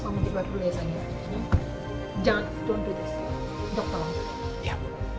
mama juga berlezat ya